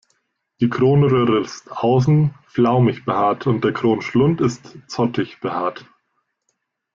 Die Kronröhre ist außen flaumig behaart und der Kronschlund ist zottig behaart.